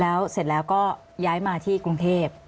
แล้วเสร็จแล้วก็ย้ายมาที่กรุงเทพ